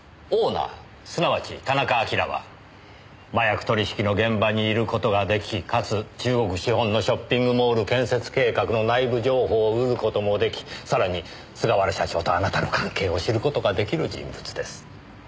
オーナーすなわち田中晶は麻薬取引の現場にいる事が出来かつ中国資本のショッピングモール建設計画の内部情報を得る事も出来さらに菅原社長とあなたの関係を知る事が出来る人物です。